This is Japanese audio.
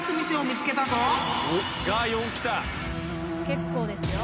結構ですよ。